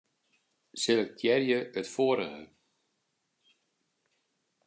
Selektearje it foarige.